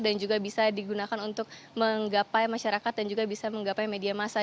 dan juga bisa digunakan untuk menggapai masyarakat dan juga bisa menggapai media massa